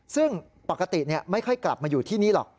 ซึ่งปกติไม่ค่อยกลับมาอยู่ที่นี่หรอก